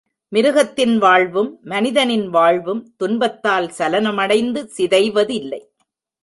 மிருகத்தின் வாழ்வும், மனிதனின் வாழ்வும், துன்பத்தால் சலனமடைந்து சிதைவதில்லை.